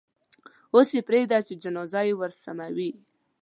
اوس یې پرېږده چې جنازه یې ورسموي.